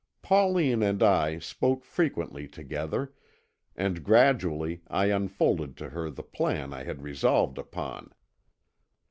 Pauline and I spoke frequently together, and gradually I unfolded to her the plan I had resolved upon.